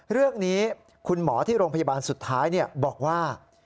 เรื่องนี้คุณหมอที่โรงพยาบาลสุดท้ายบอกว่า